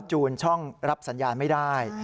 จูนช่องรับสัญญาณไม่ได้